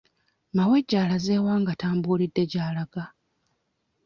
Mawejje alaze wa nga tambuulidde gy'alaga?